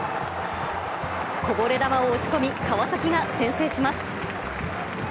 こぼれ球を押し込み、川崎が先制します。